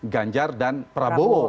ganjar dan prabowo